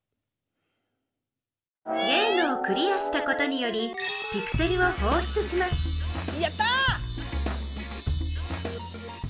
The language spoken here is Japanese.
ゲームをクリアしたことによりピクセルをほうしゅつしますやったぁ！